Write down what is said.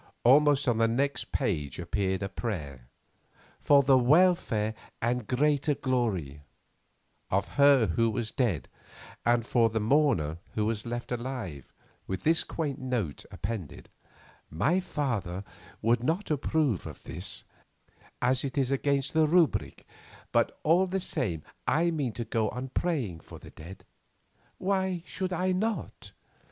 Almost on the next page appeared a prayer "For the welfare and greater glory" of her who was dead, and for the mourner who was left alive, with this quaint note appended: "My father would not approve of this, as it is against the rubric, but all the same I mean to go on praying for the dead. Why should I not?